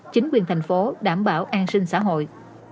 chính quyền thành phố đảm bảo an sinh xã hội